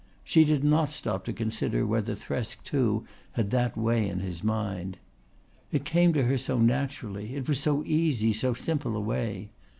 She did not stop to consider whether Thresk, too, had that way in his mind. It came to her so naturally; it was so easy, so simple a way.